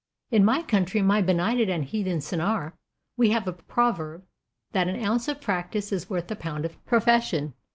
In my country, my benighted and heathen Sennaar, we have a proverb that an ounce of practice is worth a pound of profession.